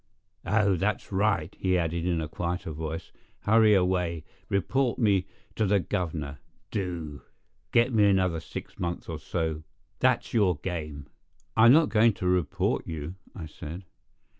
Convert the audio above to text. "Oh, that's right," he added in a quieter voice; "hurry away; report me to the governor, do! Get me another six months or so—that's your game." "I'm not going to report you," I said.